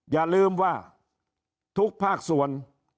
อย่าลืมว่าทุกภาคส่วน